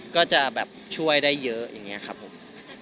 ก็จะแบบช่วยได้เยอะอย่างนี้ครับผม